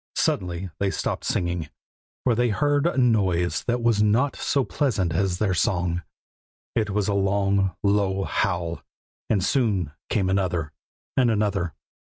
Suddenly they stopped singing, for they heard a noise that was not so pleasant as their song; it was a long, low howl, and soon came another, and another.